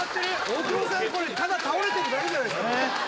大久保さんこれただ倒れてるだけじゃないですか